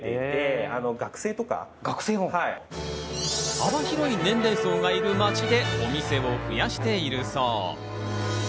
幅広い年齢層がいる街でお店を増やしているそう。